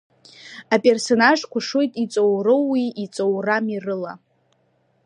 Аперсонажқәа шоит иҵоуроуи иҵоурами рыла.